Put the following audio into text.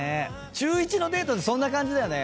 中１のデートってそんな感じだよね。